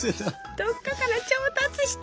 どっかから調達して。